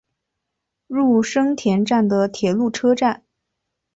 入生田站的铁路车站。